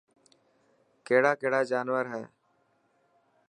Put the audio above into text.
ڪهڙا ڪهڙا جانور هي.